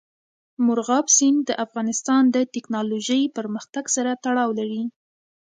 مورغاب سیند د افغانستان د تکنالوژۍ پرمختګ سره تړاو لري.